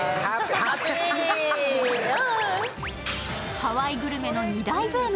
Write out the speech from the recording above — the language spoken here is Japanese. ハワイグルメの２大ブーム。